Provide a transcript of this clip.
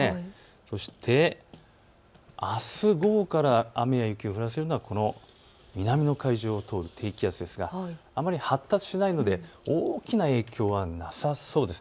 そして、あす午後から雨や雪を降らせるのはこの南の海上を通る低気圧ですが、あまり発達しないので大きな影響はなさそうです。